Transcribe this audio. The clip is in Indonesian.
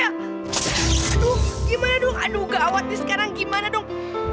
aduh gimana dong aduh gawat nih sekarang gimana dong